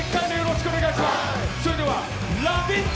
それでは、「ラヴィット！」